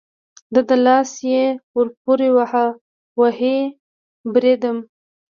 د ده لاس یې ور پورې وواهه، اوهې، بریدمن.